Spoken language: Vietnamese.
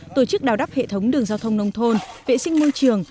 tổ chức đào đắp hệ thống đường giao thông nông thôn vệ sinh môi trường